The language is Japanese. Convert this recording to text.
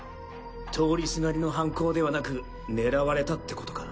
通りすがりの犯行ではなく狙われたってことか。